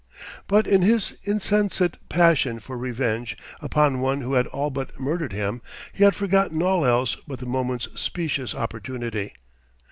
But in his insensate passion for revenge upon one who had all but murdered him, he had forgotten all else but the moment's specious opportunity.